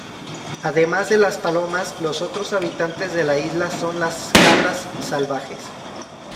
Además de las palomas, los otros habitantes de la isla son las cabras salvajes.